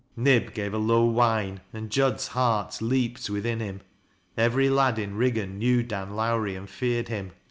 Nib gave a low whine, and Jud's heart leaped within him. Every lad in Eiggan knew Dan Lowrie and feared blm.